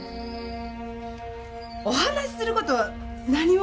お話しする事は何も。